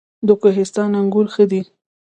د کوهستان انګور ښه دي